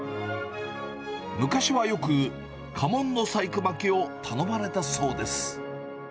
昔はよく家紋の細工巻きを頼まれたそうです。